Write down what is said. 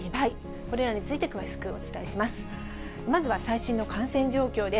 これらについて詳しくお伝えします。